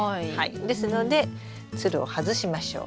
ですのでツルを外しましょう。